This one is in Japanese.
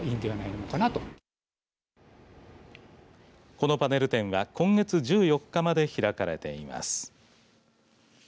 このパネル展は今月１４日まで開かれています。